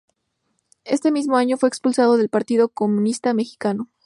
Este mismo año, fue expulsado del Partido Comunista Mexicano.